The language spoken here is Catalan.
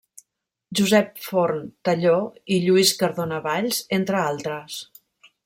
Josep Forn Talló i Lluís Cardona Valls, entre altres.